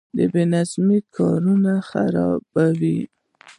بې نظمي کارونه خرابوي